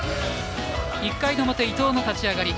１回の表伊藤の立ち上がり